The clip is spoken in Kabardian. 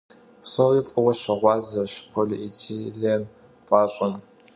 Psori f'ıue şığuazeş polietilên p'aş'em.